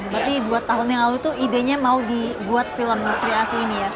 berarti dua tahun yang lalu itu idenya mau dibuat film sri asi ini ya